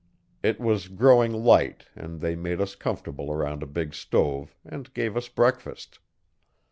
It was growing light and they made us comfortable around a big stove, and gave us breakfast.